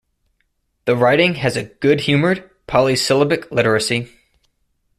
The writing has a good-humored polysyllabic literacy.